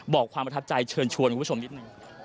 บอกความประทับใจเชิญชวนคุณผู้ชมนิดหนึ่ง